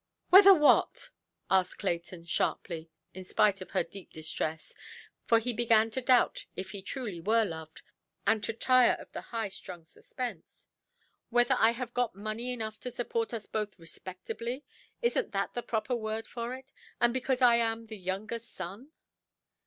"Whether what"? asked Clayton, sharply, in spite of her deep distress; for he began to doubt if he truly were loved, and to tire of the highstrung suspense. "Whether I have got money enough to support us both respectably? Isnʼt that the proper word for it? And because I am the younger son"?